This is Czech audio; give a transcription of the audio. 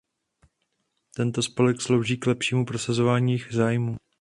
Tento spolek slouží k lepšímu prosazování jejich zájmů.